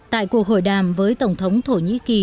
tại cuộc hội đàm với tổng thống thổ nhĩ kỳ